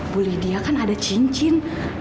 bu lydia kan ada cincin